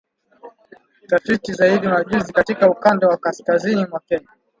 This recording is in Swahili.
Tafiti za hivi majuzi katika ukanda wa kaskazini mwa Kenya